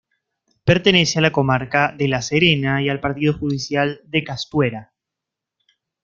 Pertenece a la comarca de La Serena y al Partido judicial de Castuera.